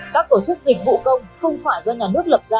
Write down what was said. các tổ chức dịch vụ công không phải do nhà nước lập ra